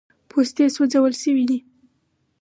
پوستې سوځول سوي دي.